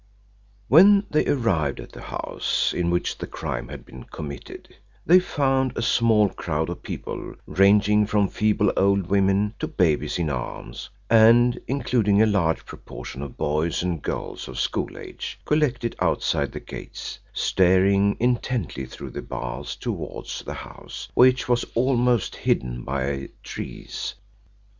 When they arrived at the house in which the crime had been committed, they found a small crowd of people ranging from feeble old women to babies in arms, and including a large proportion of boys and girls of school age, collected outside the gates, staring intently through the bars towards the house, which was almost hidden by trees.